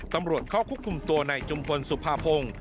ตำรวจเข้าคุกคุมตัวในจุมพลสุภาพง